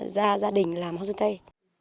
và gia đình làm homestay